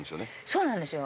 そうなんですよ